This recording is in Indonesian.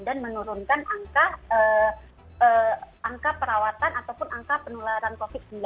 dan menurunkan angka perawatan ataupun angka penularan covid sembilan belas